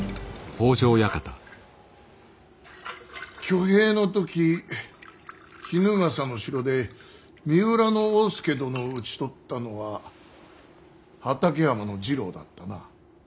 挙兵の時衣笠の城で三浦大介殿を討ち取ったのは畠山次郎だったな。